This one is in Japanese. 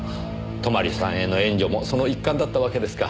泊さんへの援助もその一環だったわけですか。